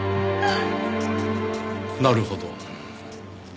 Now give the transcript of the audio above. なるほど。